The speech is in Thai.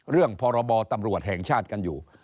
พรบตำรวจแห่งชาติกันอยู่